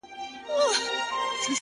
هغه مي سرې سترگي زغملای نسي”